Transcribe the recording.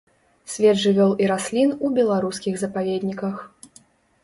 Свет жывёл і раслін у беларускіх запаведніках.